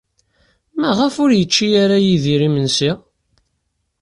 Maɣef ur yečči ara Yidir imensi?